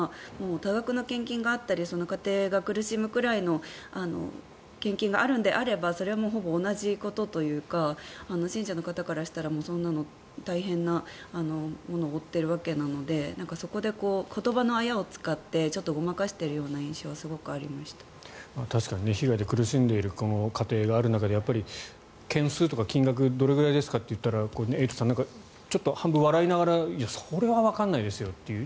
多額の献金があったりその家庭が苦しむくらいの献金があるのであればそれはもうほぼ同じことというか信者の方からしたらそんなの大変なものを負っているわけなのでそこで言葉のあやを使ってごまかしているような印象は確かに被害で苦しんでいる家庭がある中で件数とか金額どれくらいですかって言ったらエイトさんちょっと半分笑いながらそれはわからないですよっていう。